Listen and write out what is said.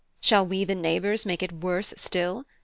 Shall we the neighbours make it worse still?